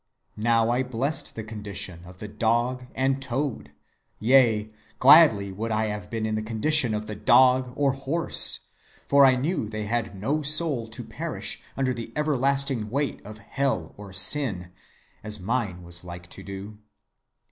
Now I blessed the condition of the dog and toad, yea, gladly would I have been in the condition of the dog or horse, for I knew they had no soul to perish under the everlasting weight of Hell or Sin, as mine was like to do.